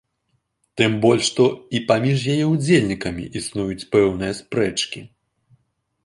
Тым больш, што і паміж яе ўдзельнікамі існуюць пэўныя спрэчкі.